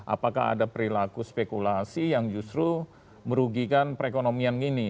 apakah ada perilaku spekulasi yang justru merugikan perekonomian ini